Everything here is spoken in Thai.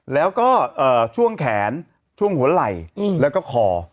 แล้วก็ช่วงแขนช่วงหัวไหล่แล้วก็คอ